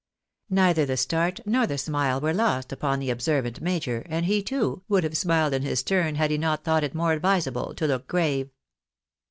Neither the start nor the smile were lost upon the observant major, and he, too, would have smiled in his turn had he not thought it more advisable to look grave.